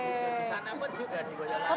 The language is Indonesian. di sana pun juga di goyong